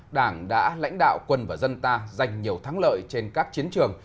đảng đã lãnh đạo quân và dân ta giành nhiều thắng lợi trên các chiến trường